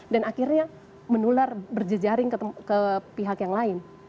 dan akhirnya menular berjejaring ke pihak yang lain